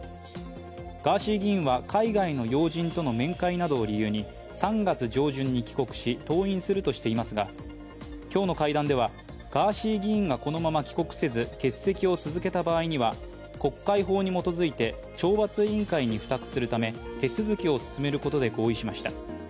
ガーシー議員は海外の要人との面会などを理由に３月上旬に帰国し、登院するとしていますが、今日の会談では、ガーシー議員がこのまま帰国せず欠席を続けた場合には国会法に基づいて、懲罰委員会に付託するため手続きを進めることで合意しました。